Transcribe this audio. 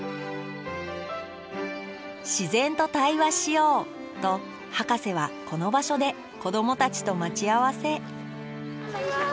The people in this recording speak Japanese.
自然と対話しようとハカセはこの場所で子どもたちと待ち合わせ。